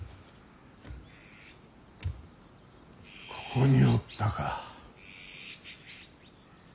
ここにおったか。